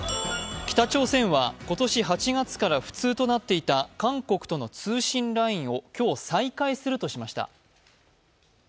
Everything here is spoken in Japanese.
北朝鮮は今年８月から不通となっていた韓国との通信ラインを今日、再開するとしました。